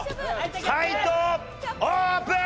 解答オープン！